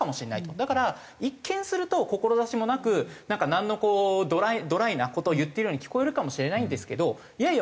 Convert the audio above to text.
だから一見すると志もなくなんかなんのこうドライな事を言ってるように聞こえるかもしれないんですけどいやいや